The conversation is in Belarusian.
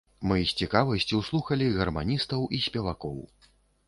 Мы з цікавасцю слухалі гарманістаў і спевакоў.